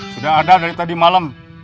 sudah ada dari tadi malam